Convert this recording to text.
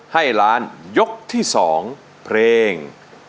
ให้ร้านยกที่สองเพลง